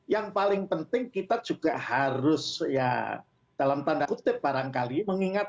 yang paling penting kita juga harus ya dalam tanda kutip barangkali mengingat